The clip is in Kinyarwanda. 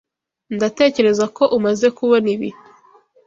Ndatekereza ko umaze kubona ibi.